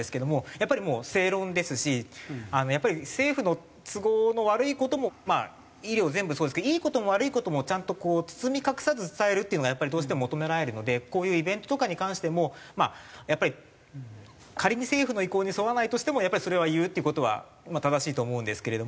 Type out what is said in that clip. やっぱり正論ですし政府の都合の悪い事もまあ医療全部そうですけどいい事も悪い事もちゃんとこう包み隠さず伝えるっていうのがどうしても求められるのでこういうイベントとかに関してもまあやっぱり仮に政府の意向に沿わないとしてもやっぱりそれは言うって事は正しいと思うんですけれども。